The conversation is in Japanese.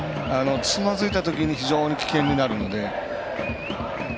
つまずいた時に非常に危険になるので。